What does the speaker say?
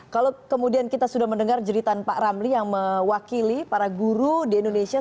kalau kemudian kita sudah mendengar jeritan pak ramli yang mewakili para guru di indonesia